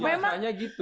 iya rasanya gitu